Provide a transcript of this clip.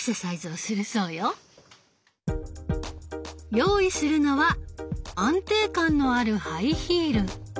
用意するのは安定感のあるハイヒール。